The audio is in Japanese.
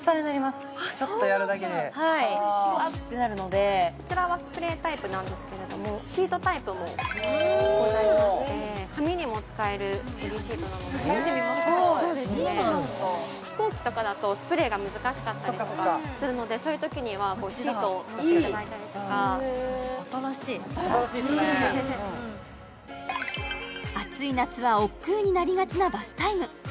ちょっとやるだけではいフワってなるのでこちらはスプレータイプなんですけれどもシートタイプもございまして髪にも使えるボディーシートなので初めて見ました飛行機とかだとスプレーが難しかったりとかするのでそういうときにはシートをこっちだ新しい新しいですね暑い夏はおっくうになりがちなバスタイム